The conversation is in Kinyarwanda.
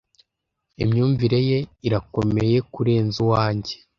Imyumvire ye irakomeye kurenza uwanjye,